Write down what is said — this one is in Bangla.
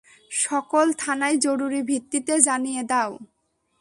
সকল থানায় জরুরি ভিত্তিতে জানিয়ে দাও।